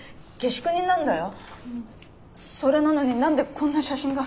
それなのに何でこんな写真が。